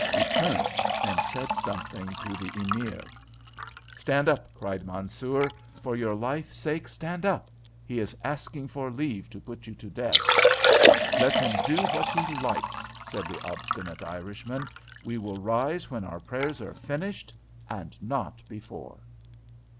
He turned and said something to the Emir. [Illustration: Stand up! cried Mansoor p214] "Stand up!" cried Mansoor. "For your life's sake, stand up! He is asking for leave to put you to death." "Let him do what he likes!" said the obstinate Irishman; "we will rise when our prayers are finished, and not before."